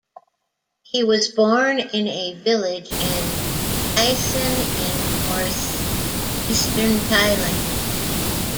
He was born in a village in Isan in northeastern Thailand.